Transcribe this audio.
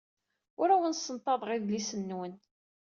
Ur awen-ssenṭaḍeɣ idlisen-nwen.